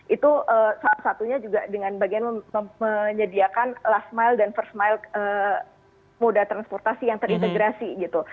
itu salah satunya juga dengan bagian menyediakan last mile dan first mile moda transportasi yang terintegrasi gitu